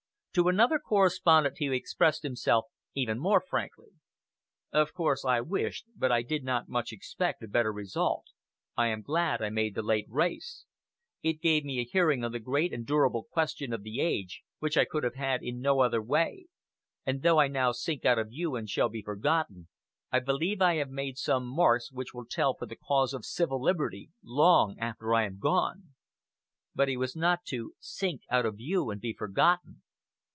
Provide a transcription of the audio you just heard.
To another correspondent he expressed himself even more frankly: "Of course I wished, but I did not much expect, a better result... . I am glad I made the late race. It gave me a hearing on the great and durable question of the age, which I could have had in no other way; and though I now sink out of view and shall be forgotten, I believe I have made some marks which will tell for the cause of civil liberty long after I am gone." But he was not to "sink out of view and be forgotten."